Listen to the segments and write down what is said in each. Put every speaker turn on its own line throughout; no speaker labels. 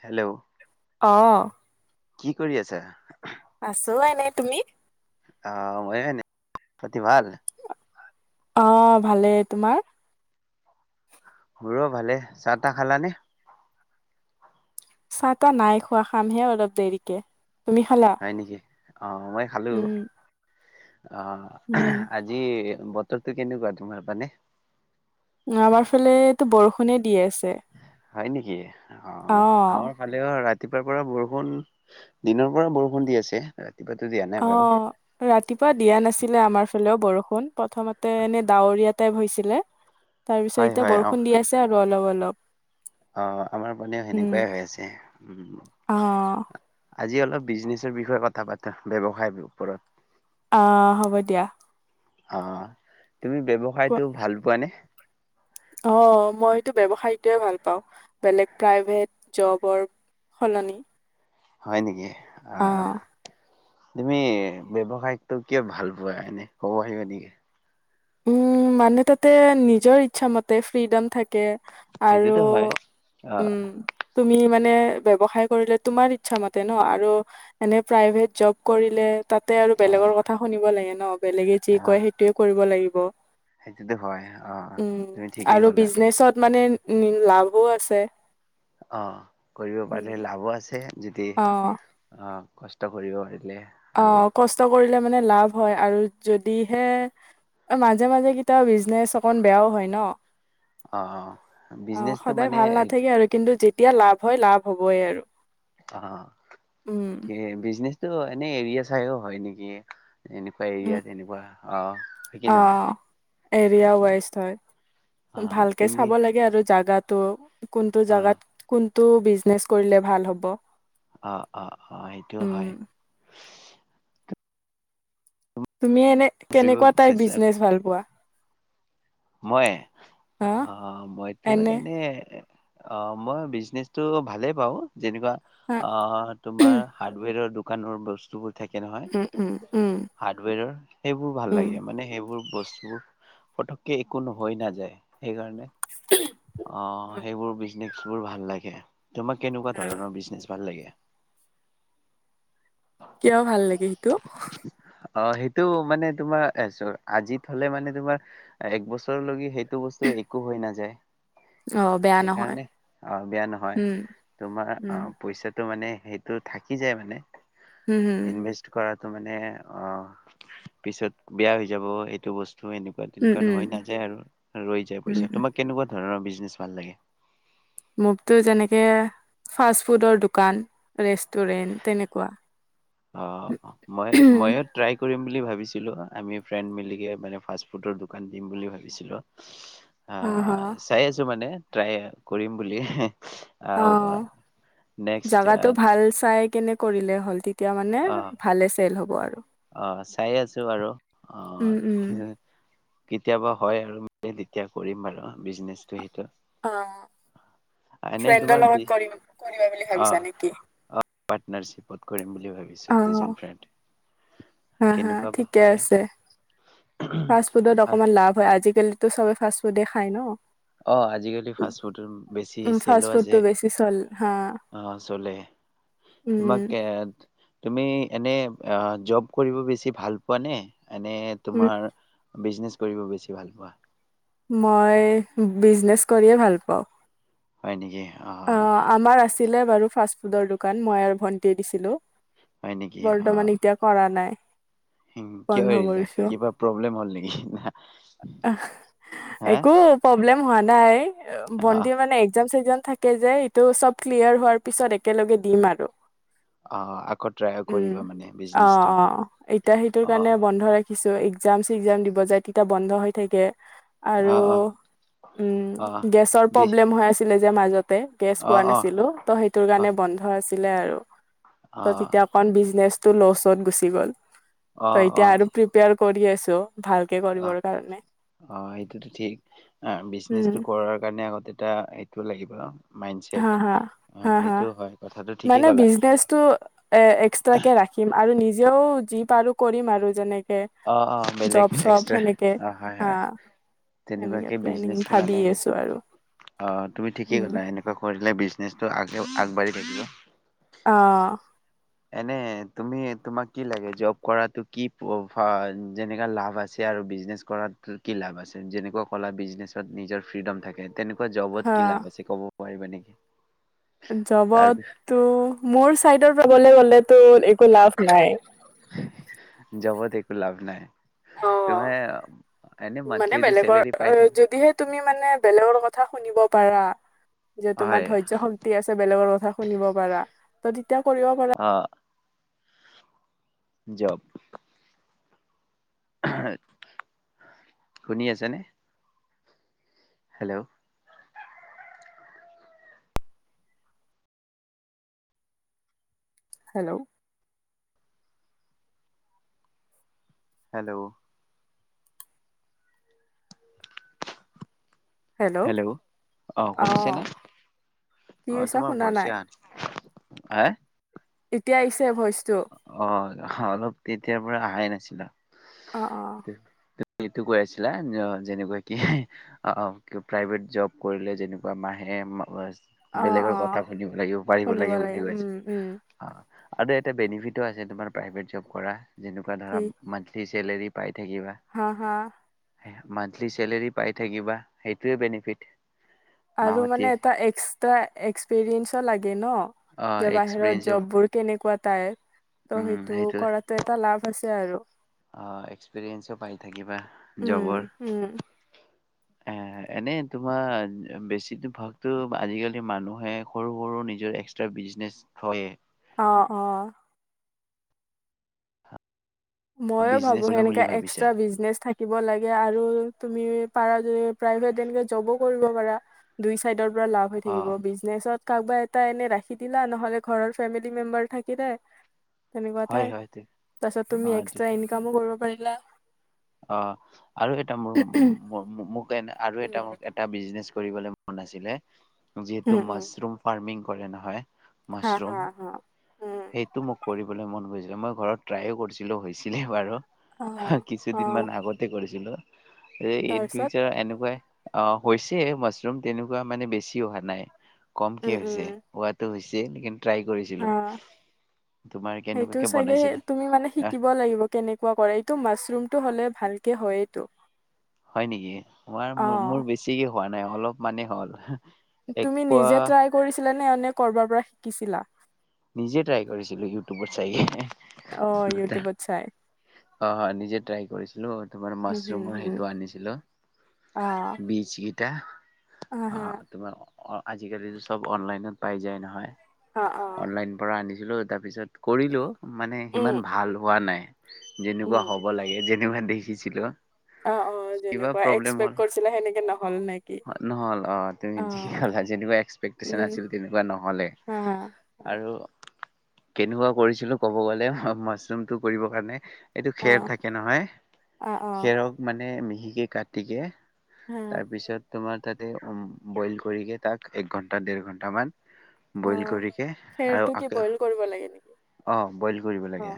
Hello.
অ'।
কি কৰি আছা?
আছোঁ এনে, তুমি?
অ', মই এনে, খাতি ভাল?
অ', ভালেই, তোমাৰ?
মোৰো ভালে, চাহ তাহ খালানে?
চাহ তাহ নাই খোৱা, খামহে অলপ দেৰিকে। তুমি খালা?
হয় নেকি, অ', মই খালোঁ।
উম,
অ',
উম,
আজি বতৰটো কেনেকুৱা তোমাৰ ফালে?
অ', আমাৰ ফালেতো বৰষুণে দি আছে।
হয় নেকি, অ, আমাৰ ফালেও ৰাত তিপুৱাৰপৰা বৰষুণ, দিনৰ পৰা বৰষুণ দি আছে। ৰাতিপুৱাতো দিয়া নাই বাৰু
অ', ৰাতিপুৱা দিয়া নাছিলে আমাৰ পালেও বৰষুণ, প্ৰথমতে এনে ডাৱৰীয়া টাইপ হৈছিলে
হয়
তাৰপিছত এতিয়া
হয় অ
বৰষুণ দি আছে আৰু অলপ অলপ। অলপ।
অ', আমাৰ পিনেও সেনেকুৱাই হৈ আছে,
অ',
উ, আজি অলপ বিজনেছৰ বিষয়ে কথা পাতা, ব্যৱসায়ৰ ওপৰত।
অ', হ'ব দিয়া।
অ' তুমি
কোৱা,
ব্যৱসায়টো ভাল পোৱা নে?
অ', মইটো ব্যৱসায়টোৱে ভাল পাওঁ, বেলেগ প্ৰাইভেট জবৰ সলনি।
হয় নেকি? আ, আ।
অ'।
তুমি ব্যৱসায়টো কিয় ভাল পোৱা এনে, ক'ব পাৰিবা নেকি?
উম, মানে তাতে নিজৰ ইচ্ছা মতে ফ্ৰীডম থাকে। আৰু
সেইটোতো হয়। অ'।
উম তুমি মানে ব্যবসায় কৰিলে তোমাৰ ইচ্ছা মতে ন আৰু এনে প্ৰাইভেট জব কৰিলে তাতে আৰু বেলেগৰ
অ'।
কথা শুনিব লাগে ন, বেলেগে যি কয়
অ'
সেইটোয়ে কৰিব লাগিব।
সেইটোতো হয় আহ তুমি ঠিকেই
আৰু
ক'লা।
বিজনেচত মানে উম লাভো আছে।
অ' কৰিব
উম,
পাৰিলে লাভো আছে। যদি অ' কষ্ট কৰিব পাৰি
অ', কষ্ট কৰি। মানে লাভ হয় আৰু যদিহে, মাজে মাজে কিটাবা বিজনেচ অকন বেয়াও হয় নহ?
অ'
অ',
বিজনেচটো
সদায়
মানে
ভাল নাথাকে আৰু কিন্তু যে। এতিয়া লাভ হয়, লাভ হ'বই আৰু।
অ',
উম।
কি বিজনেছ। সেইটো, এনেই এৰিয়া চাইও হয় নেকি? এনেকুৱা এৰিয়া
উম,
তেনেকুৱা অহ [inaudible] নহয়
অ', এৰিয়া ৱাইজ হয়,
অহ তুমি।
তো। কোনটো
অ'
জাগাত কোন? টো, বিজনেছ্ কৰিলে ভাল হ'ব।
অ', অ', অ', সেইটোও
উম।
হয়।
তুমি এনে, কেনেকুৱা তাইপ বিজনেচ ভাল পোৱা?
মই,
হা
অ মইতো এনে। অ', মই বিজনেছটো ভালেই পাওঁ। যেনেকুৱা,
হা
আহ তোমাৰ হাৰ্ডৱেৰৰ দো। দোকানৰ বস্তুবোৰ। থাকে নহয়,
উম, উম, উম,
হাৰ্ডৱেৰৰ। সেইবোৰ ভাল
উম।
লাগে মানে সেইবোৰ। বস্তুবোৰ, পটক। কে একো নোহৈ নাযায় সেইকাৰণে। অ',
উম,
সেইবোৰ বিজ। নেক্সট বোৰ ভাল লাগে। তোমাক, কেনেকুৱা
হা।
ধৰণৰ বিজনেছ ভাল লাগে?
কিয় ভাল লাগে সেইটো?
অ', সেইটো মানে তোমাৰ এজ আজিত হলে মানে তোমাৰ এক বছৰলেগি সেইটো। এইটো বস্তু একো হৈ নাযায়।
অ', বেয়া নহয়,
সেইকাৰণে, আহ বেয়া নহয়।
উম,
তোমাৰ
উম,
আহ পইচাটো মানে? সেইটো থাকি যায় মানে।
উম, হুম।
ইনভেষ্ট কৰাত। তো মানে অ', পিছত বেয়া হৈ যাব, এইটো বস্তু। ধৰ এনেকুৱা
উম,
তেনেকুৱা
উম,
নহয় নাযায় আৰু ৰৈ যায়
উম,
পইচা,
উম।
তোমাক কেনেকুৱা? ধৰা, বিজনেচ ভাল লাগে।
মোকতো যেনেকে ফাষ্ট ফুডৰ দোকান, ৰেষ্টুৰেণ্ট তেনেকুৱা।
অ', মই মইও ট্ৰাই কৰিম। বুলি ভাবিছিলো আমি ফ্ৰেণ্ড মিলে মানে ফাষ্ট ফুডৰ দোকান দিম বুলি ভাবিছিলো।
হা, হা,
অ' চাই আছো মানে। ট্ৰাই কৰিম বুলি
অ'
নেক্সট
জাগাটো ভাল চাই কেনে। কৰিলে হ'ল তেতিয়া মানে
অ
ভালে চেল হ'ব আৰু,
অ চাই আছো আৰু
উম উম।
অ কেতিয়াবা হয় আৰু মই তেতিয়া কৰিম বাৰু বিজনেচটো সেইটো।
অ
এনেই
ফ্ৰেণ্ডৰ
তোমাক
লগত কৰিম কৰিবা বুলি
অ'
ভাবিছা নেকি
আহ পাৰটনাৰ্বিপত কৰিম বুলি ভাবি
অ
দুজন ফ্ৰেণ্ড।
হা হা
কেনেকুৱা বা
ঠিকে
হয়
আছে ফাষ্ট ফুডত অকমান লাভ হয় আজিকালি। তো চবে ফাষ্ট ফুডে খায় ন।
অ' আজিকালি ফাষ্টফুডৰ বেছি
উম ফাষ্ট
চেলো
ফুডটো
আছে
বেছি চল হা
অ' চলে।
উম
তোমাক‌ এ তুমি এনে জব কৰিব বেছি ভাল পোৱা নে? এনে
উম
তোমাৰ বিজনেছ কৰিব বেছি ভাল পোৱা?
মই বিজনেচ কৰিয়ে ভাল পাওঁ।
হয় নেকি?
অ' আমাৰ আছিলে বাৰু ফাষ্ট ফুডৰ দোকান মই আৰু ভন্টি দিছিলো।
হয়
বৰ্তমান এতিয়া কৰা নাই।
উম কিয়
বন্ধ
এৰিলে
কৰিছো
কিবা প্ৰব্লেম হ'ল নেকি হা?
একো প্ৰব্লেম হোৱা নাই।
অ
ভণ্টি মানে একজাম চেকজাম যে এইটো চব ক্লিয়াৰ হোৱাৰ পিছত একেলগে দিম আৰু।
অ', আকৌ ট্ৰাই
উম
কৰিবা মানে
অ
বিজনেচটো? অ'।
কিছু একজাম চেকজাম দিব যায়, তেতিয়া বন্ধ হৈ থাকে। আৰু
অ', অ',
উম,
অ',
গেছৰ
বি
প্ৰব্লেম হৈ আছিলে যে মাজত তে, গেছ পোৱা
অ', অ',
নাছিলো, ত' সেইটোৰ কাৰণে
অ',
বন্ধ আছিল ছিলে আৰু। তা
অ',
যেতিয়া অকণ বিজনেছ টো ল'চত গুচি গ'ল ত এতিয়া আৰু প্ৰিপেৰ কৰি আছো। ভালকে
অহ
কৰিবৰ কাৰণে
অ সেইটোতো ঠিক, এ
উম
বিজনেচটো কৰাৰ কাৰণে আগতে এটা টো লাগিব ন।
হা হা হা হা
কথাটো ঠিকেই
মানে
ক'লা
বিজনেসটো এ এক্সট্রাকে ৰাখি আৰু নিজেও। পাৰো কৰিম আৰু যেনে কে
অ', অ', বেলেগ
জব চব
এক্সট্ৰা
সেনেকে
অ', হয়,
হা
হয়
এনেকে
তেনেকুৱাকে
প্লেনিং
বিজনেচ
ভাবি
মানে
আছো
সেইটো
আৰু
হৈ থাকে অ তুমি ঠিকেই
উম
কলা এনেকুৱা কৰি। বিজনেচটো আগ আগবাঢ়ি থাকিব।
আহ
এনে তুমি তোমাক কি লাগে জব কৰাটো কি? সহজ যেনেকা লাভ আছে আৰু বিজনেছ কৰাত কি লাভ আছে যেনেকুৱা ক'লা বিজনেছত নিজৰ ফ্ৰীডম থাকে। তেনেকুৱা
হা
জবত কি লাভ আছে ক'ব পাৰিবা নেকি [unintelligible] তাৰ বিষয়ে
জবতটো মোৰ চাইডৰ পৰা। কবলে গ'লেতো একো লাভ নাই।
জবত একো লাভ নাই।
অ
তুমে এনে
মানে
মান্থলিটো
বেলেগৰ
চেলেৰি পাই থাক
যদিহে তুমি মানে বেলেগৰ কথা শুনিব পাৰা যে তোমাৰ
হয়
ধৈৰ্য্য শক্তি আছে বেলেগৰ কথা শুনিব পাৰা। যদি এতিয়া কৰিব পাৰা।
অ জব। [unintelligible] শুনি আছেনে? Hello!
Hello!
Hello!
Hello
hello! অ' শুনিছেনে?
কি
অ'
কৈছা
তোমাৰ
শুনা
ভইচ
নাই
আহা
এতিয়া আহিছে ভইচটো
আহ অলপ তেতিয়াৰ পৰা আহাই নাই। ছিলা।
অ অ
[unintelligible] সেইটো কৈ আছিলা, যেনেকুৱা কি অ' অ'। প্ৰাইভেট জব কৰিলে যেনেকুৱা মাহে [unintelligible]
অ অ
বেলেগৰ কথা শুনিব লাগিব পাৰিব
শুনিব
লাগিব বুলি
লাগে উম
কৈছে।
উম
অ'! আৰু এটা বেনিফিটো আছে তোমাৰ প্ৰাইভেট জব কৰা। যেনেকুৱা
কি
ধৰা মান্থলি চেলেৰী। পাই থাকিবা
হা হা!
মান্থলি চেলেৰী পাই থাকিবা। সেইটোৱে বেনিফিট।
আৰু
মাহতি
মানে এটা এক্সট্ৰা এক্সপৰিেঞ্চ লাগে ন
অ
যে বাহিৰত
এক্সপিৰিয়েঞ্চো
জব বোৰ কেনেকুৱা? তাৰ ত'
উম
সেইটো
সেইটোৱে
কৰাটো এটা লাভ আছে। আৰু
অ এক্সপিৰিয়েঞ্চো পাই থাকিবা
উম
জবৰ।
উম
এনে তোমাৰ বেছি ভাগতো আজিকালি মানুহে সৰু সৰু নিজৰ এক্সট্ৰা বিজনেচ থয়ে।
অ অ। ময়ো
বিজনেছ
ভাবো
কৰিম
সেনেকাে
বুলি ভাবিছা
এক্সট্ৰা বিজনেচ থাকিব লাগে আৰু তুমি পাৰা যে প্ৰাইভেট এনেকে জবো কৰিব পাৰা দুই চাইডৰ পৰা লাভ হৈ
অ
থাকিব। বিজনেছত কাৰোবা এটা এনে ৰাখি দিলা নহ'লে ঘৰৰ ফেমিলি মেম্বাৰ থাকিলে তেনেকুয়া
হয়
এটায়
হয় তে
তাৰ পিছত তুমি
অ
এক এক্ ইনকামো কৰ কৰিলা।
অ আৰু এটা মোৰ আৰু এটা ম এটা বিজনেছ কৰিবলৈ মন আছিলে। যিহেতু
উম, উম,
মাছৰুম ফাৰ্মিং কৰে নহয়।
হা, হা,
মাছৰুম
হা, উম,
সেইটো মোক কৰিবলৈ মন গৈ মই ঘৰত ট্ৰাইও কৰিছিলো হৈছিলে বাৰু।
অ।
দিন মান
অ',
আগতে পিছিল ইন
তাৰপিছত
ফিউচাৰ এনেকুৱাই। অ হৈছে মাছৰুম তেনেকুৱা মানে বেছি অহা নাই। কম কি হৈছে হোৱাতো হৈছে। দে নেকিম।
অ
তোমাৰ
সেইটো
কেনেকুৱাকে
চাগে
বনাইছিলা
তুমি মানে
অ
শিকিব লাগিব কেনেকুৱা কৰে এইটো মাছৰুমতটো হ'লে ভালকে হয়েইতো।
হয় নেকি, আমাৰ মোৰ বেছি হোৱা নাই অলপ মানেই হ'ল। এক
তুমি
পোৱা
নিজে ট্ৰাই কৰিছিলা নে এনে ক'ৰবাৰ পৰা শিকিছিলা।
নিজে ট্ৰাই কৰিছিলো [unintelligible] অ',
অ', ইউটিউবত চাই
হয় নিজে ট্ৰাই কৰিছিলো তোমাৰ
হম, হম,
মাছৰুমৰ
হম,
সেইটো আনিছিলো,
অ',
বিচি এতিয়া অ' তোমাৰ অ', আজিকালিতো চব অনলাইনত পাই যায় নহয়।
অ', অ',
অনলাইন পৰা আনি ছিলো তাৰপিছত কৰিলোঁ মানে
উম,
সিমান ভাল হোৱা নাই। যেনেকুৱা হ'ব লাগে [unintelligible] দেখিছিলো।
অ'-অ'
কিবা
যেনেকুৱা
প্ৰব্লেম হ'ল
এক্সপেক্ট কৰিছিলা সেনেকে নহ
নহ'ল অ', তুমি যি
অ',
ক'লা যেনেকুৱা এক্সপেকটচন
উম,
আছিল তেনেকুৱা নহ'লে
হা,
আৰু কেনেকুৱা কৰিছিলো ক'ব গলে মাছৰুমটো কৰিব কাৰণে এইটো
অ'।
খেৰ থাকে নহয়
অ অ
খেৰক মানে সেই কাটিকে
হা
তাৰপিছত তোমাৰ তাতে বইল কৰি গে তাক এক ঘণ্টা দেৰ ঘণ্টামান
অ
বইল কৰিকে আৰু
খেৰটো কি বইল কৰিব লাগে নেকি
[unintelligible] অ বইল কৰিব
অ
লাগে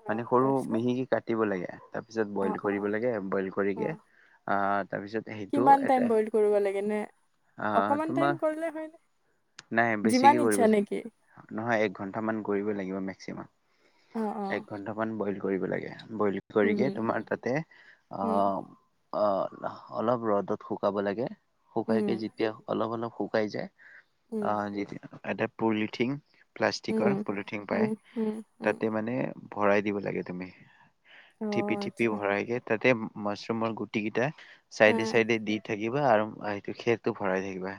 অ
মানে সৰু
তাৰপিছত
মিহিকি কাটিব লাগে তাৰপিছত
অ
বইল
অ
কৰিব লাগে বইল
অ
কৰিকে আ তাৰপিছত সেইটো
কিমান টাইম বইল কৰিব লাগে নে
অ',
অকমান টাইম
তোমাক,
কৰিলে হয়নে
নাই
যিমান
বেছিকে কৰিব
ইচ্ছা নেকি
লাগিব, নহয় এক ঘন্টামান কৰিবই লাগিব মেক্সিমাম
অ অ
এক ঘন্টামান বইল ক কৰিব লাগে। বইল
উম
কৰিকে তোমাৰ তাতে অ
উম
অ' অলপ ৰ'দত শুকাব লাগে
উম
শুকাইকে যেতিয়া অলপ-অলপ শুকাই যায়।
উম
অ' [unintelligible] পলিথিং প্লাষ্টিকৰ
উম
পলিথিং পায়,
উম উম উম
তাতে মানে ভৰাই দিব লাগে তুমি
অ
টিপি টিপি
আচ্ছা
ভৰাইদিয়ে, তাতে মাছৰুমৰ গুটি কেইটা
অ
চাইদে চাইদে [unintelligible] আৰু এইটো খেৰটো ভৰাই থাকিবা।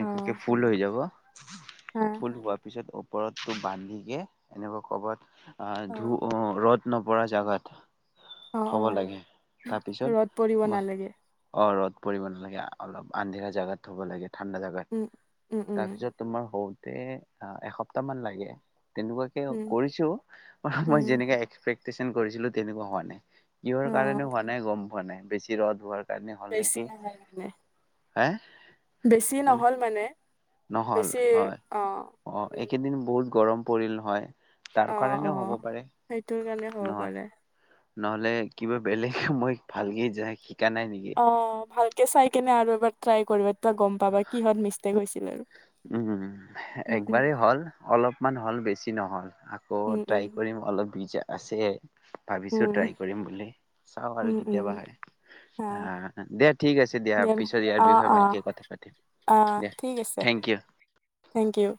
অ
ফুল হৈ যাব
অ
ফুল হোৱাৰ পিছত ওপৰতটো বান্ধিকে এনেকুৱা ক'বাত
অ
[unintelligible] ৰ'দ নপৰা জাগাত
অ অ
থব লাগে,
ৰ'দ পৰিব
তাৰপিছত মই
নালাগে
অ', ৰ'দ পৰিব নালাগে, অলপ আন্ধেৰা জেগাত থ'ব লাগে। ঠাণ্ডা জেগাত,
উম উম উম
তাৰপিছত তোমাৰ হ তে আহ, এসপ্তাহ মান লাগে। তেনেকুৱাকে
উম
কৰিছোঁ, মই
উম
যেনেকে এক্সপেক্ট [unintelligible] কৰিছিলোঁ তেনেকুৱা হোৱা নাই। কিহৰ
অ
কাৰণেনো হোৱা নাই, গম হোৱা নাই, বেছি ৰ'দ হোৱাৰ
বেছি নহয় [unintelligible]
এ
বেছি নহ'ল মানে।
নহ'ল
বেছি
হয়,
অ
অ',
উম
এইকেইদিন বহুত গৰম পৰিল নহয়। তাৰ
অ',
কাৰণেও হ'ব
অ',
পাৰে
সেইটোৰ কাৰণে হ'ব
নহয়
পাৰে।
নহ'লে কিবা বেলেগ মই ভালকে যায়। নাই নেকি
অ', ভালকে চাই কেনে আৰু বাৰ ট্ৰাই কৰিবা। গম পাবা কিহঁত মিষ্টেক হৈছিলে আৰু।
উম,
উম উম
একবাৰেই হ'ল অলপমান হ'ল বেছ কি নহ'ল। আকৌ
উম
ট্ৰাই কৰিম অলপ ভিজা আছে। ভাবিছোঁ
উম
ট্ৰাই কৰিম বুলি। চাওঁ আৰু
উম উম উম
কেতিয়াবা হয়।
হা
অ' দে ঠিক আছে দিয়া।
দেন
পিছত ইয়াৰ
অ
বিষয়ে ভালকে কথা পাতিম, দিয়া। Thank you.
থেংকিউ।